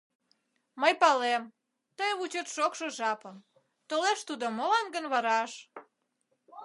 Мый палем: тый вучет шокшо жапым — Толеш тудо молан гын вараш?